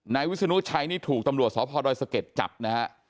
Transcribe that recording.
นายวิศนุชัยนี่ถูกตำรวจสพดอยสะเก็ดจับนะฮะ